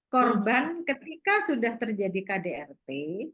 korban ketika sudah terjadi kdrt